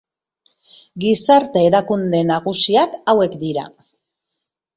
Gizarte erakunde nagusiak hauek dira.